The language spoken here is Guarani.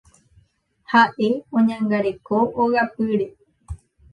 Ha'e oñangareko ogapýre.